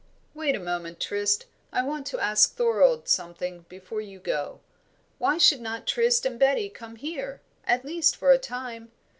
"Wait a moment, Trist I want to ask Thorold something before you go. Why should not Trist and Betty come here? at least for a time.